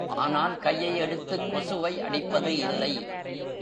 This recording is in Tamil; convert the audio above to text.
ஆனால் கையை எடுத்துக் கொசுவை அடிப்பது இல்லை.